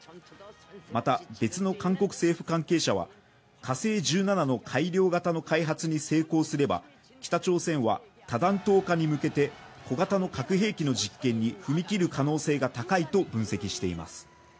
また別の韓国政府関係者は、火星１７の改良型の開発に成功すれば北朝鮮は多弾頭化に向けて小型の核兵器の実験に踏み切る可能性が高いと分析しています。